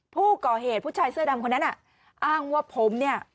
ผู้ก่อเหตุผู้ชายเสื้อดำคนนั้นอ้างว่าผมเนี่ย